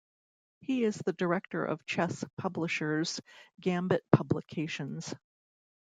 He is the director of chess publishers Gambit Publications.